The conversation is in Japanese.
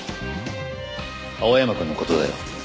青山くんの事だよ。